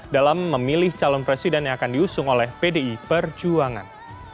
dalam memilih calon presiden yang akan diusung oleh pdi perjuangan